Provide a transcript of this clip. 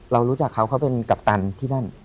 เรารู้จักเขาเขาเป็นกัปตันที่นั่น